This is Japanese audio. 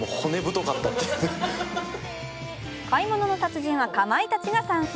「買い物の達人」はかまいたちが参戦。